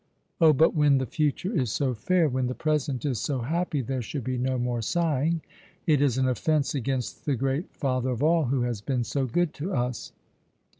" Oh, but when the future is so fair, when the present is so happy, there should be no more sighing. It is an offence against the Great Father of all, who has been so good to us."